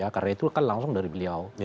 karena itu kan langsung dari beliau